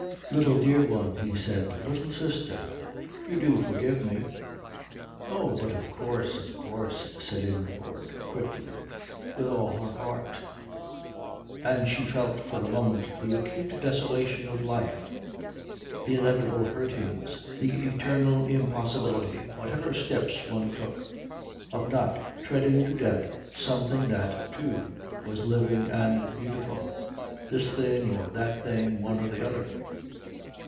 "Little dear one," he said, "little sister you do forgive me?" "Oh, but of course, of course," said Ingeborg quickly, with all her heart; and she felt for a moment the acute desolation of life, the inevitable hurtings, the eternal impossibility, whatever steps one took, of not treading to death something that, too, was living and beautiful this thing or that thing, one or the other.